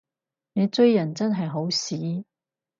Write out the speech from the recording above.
你追人真係好屎